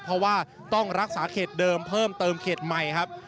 เพราะว่าต้องรักษาเขตเดิมเพิ่มเติมเขตใหม่ครับ